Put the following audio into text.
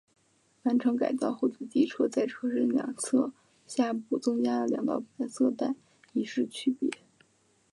完成改造后的机车在车身两侧下部增加了两道白色带以示区别。